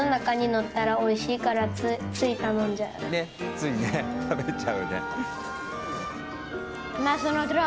ついね食べちゃうよね。